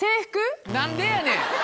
何でやねん！